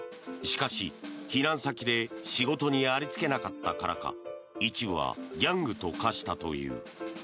しかし、避難先で仕事にありつけなかったからか一部はギャングと化したという。